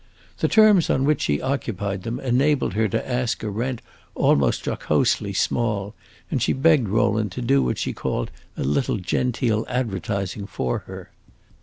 The terms on which she occupied them enabled her to ask a rent almost jocosely small, and she begged Rowland to do what she called a little genteel advertising for her.